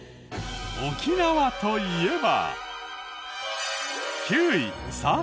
沖縄と言えば。